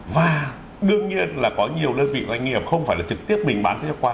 và đương nhiên là có nhiều đơn vị doanh nghiệp không phải là trực tiếp mình bán sách qua